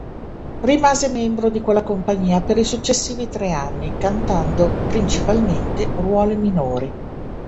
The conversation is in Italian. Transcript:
Rimase membro di quella compagnia per i successivi tre anni, cantando principalmente ruoli minori.